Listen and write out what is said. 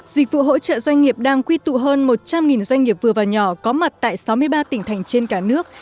dịch vụ hỗ trợ doanh nghiệp đang quy tụ hơn một trăm linh doanh nghiệp vừa và nhỏ có mặt tại sáu mươi ba tỉnh thành trên cả nước